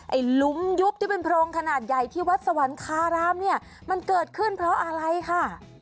หลุมยุบที่เป็นโพรงขนาดใหญ่ที่วัดสวรรคารามเนี่ยมันเกิดขึ้นเพราะอะไรค่ะ